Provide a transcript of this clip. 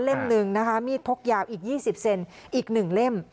เล่มหนึ่งนะคะมีดพกยาวอีกยี่สิบเซนอีกหนึ่งเล่ม